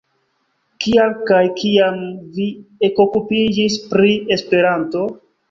Kial kaj kiam vi ekokupiĝis pri Esperanto?